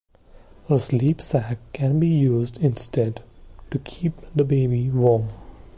A sleepsack can be used instead to keep the baby warm.